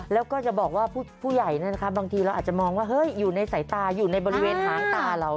แล้วก็จะบอกว่าผู้ใหญ่บางทีเราอาจจะมองว่าเฮ้ยอยู่ในสายตาอยู่ในบริเวณหางตาเรา